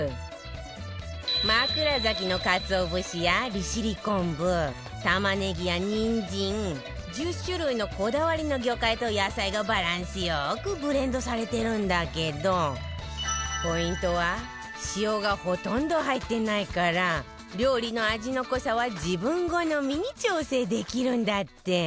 枕崎のかつお節や利尻昆布玉ねぎやにんじん１０種類のこだわりの魚介と野菜がバランスよくブレンドされてるんだけどポイントは塩がほとんど入ってないから料理の味の濃さは自分好みに調整できるんだって